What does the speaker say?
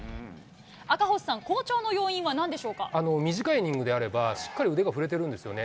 赤星さん、好調の要因はなんでし短いイニングであれば、しっかり腕が振れてるんですよね。